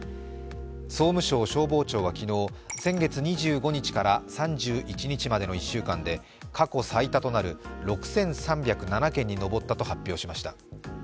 総務省消防庁は昨日、先月２５日から３１日までの１週間で過去最多となる６３０７件にのぼったと発表しました。